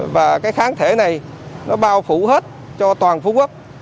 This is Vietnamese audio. và cái kháng thể này nó bao phủ hết cho toàn phú quốc